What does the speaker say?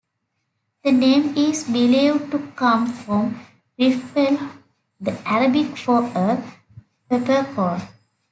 The name is believed to come from "felfel", the Arabic for a peppercorn.